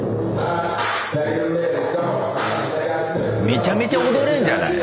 めちゃめちゃ踊れんじゃない。